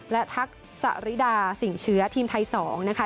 และทักษริดาสิ่งเชื้อทีมไทย๒นะคะ